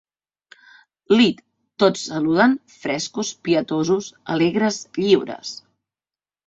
Lit. tots saluden, frescos, pietosos, alegres, lliures.